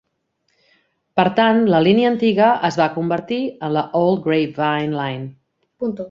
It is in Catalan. Per tant, la línia antiga es va convertir en la Old Grapevine Line.